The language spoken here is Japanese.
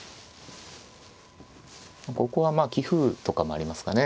ここはまあ棋風とかもありますかね。